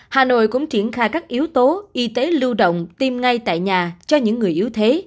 hà nội cũng triển khai các yếu tố y tế lưu động tiêm ngay tại nhà cho những người yếu thế